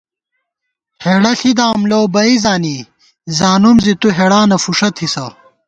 ہېڑہ ݪِداؤم لَؤ بئ زانی، زانُم زی تُو ہېڑانہ فُݭہ تھِسہ